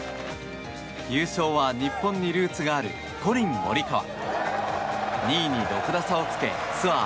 優勝は日本にルーツがあるコリン・モリカワ。